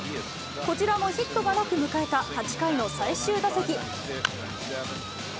こちらもヒットがなく迎えた８回の最終打席。